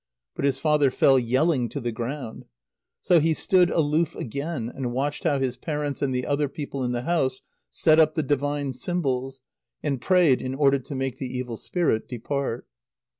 But his father fell yelling to the ground. So he stood aloof again, and watched how his parents and the other people in the house set up the divine symbols, and prayed in order to make the evil spirit depart.